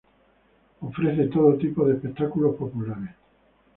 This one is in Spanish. Ofrece todo tipo de espectáculos populares.